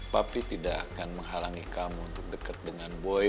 papi tidak akan menghalangi kamu untuk deket dengan boy